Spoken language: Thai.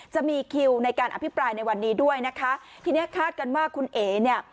จะมีคิวในการอภิปรายในวันนี้ด้วยนะคะทีเนี้ยคาดกันว่าคุณเอ๋เนี่ย